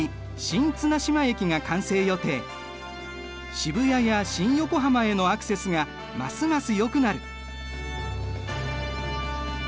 渋谷や新横浜へのアクセスがますますよくなる。